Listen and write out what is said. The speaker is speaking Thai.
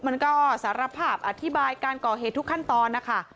มันก็สารภาพอธิบายการก่อเหตุทุกขั้นตอนนะคะ